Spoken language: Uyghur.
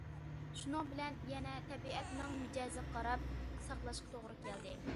شۇنىڭ بىلەن يەنە تەبىئەتنىڭ مىجەزىگە قاراپ ساقلاشقا توغرا كەلدى.